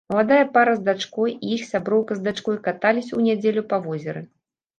Маладая пара з дачкой і іх сяброўка з дачкой каталіся ў нядзелю па возеры.